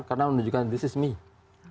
karena menunjukkan this is me